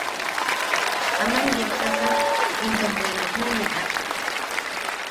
Aman yepsaka into bwe ne juʼuneak.